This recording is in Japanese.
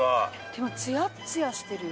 でもツヤッツヤしてるよ。